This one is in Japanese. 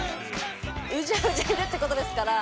うじゃうじゃいるってことですから。